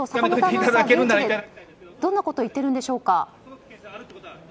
現地ではどんなことを言ってるんでしょうか。